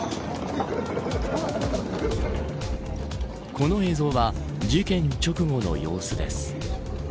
この映像は事件直後の様子です。